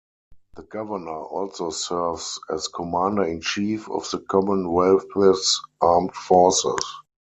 The governor also serves as commander-in-chief of the Commonwealth's armed forces.